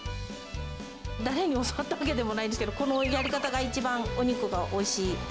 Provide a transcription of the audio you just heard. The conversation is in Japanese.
誰に教わったわけでもないんですけど、このやり方が一番、お肉がおいしい。